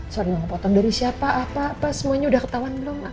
sorry mau ngepotong dari siapa apa apa semuanya udah ketahuan belum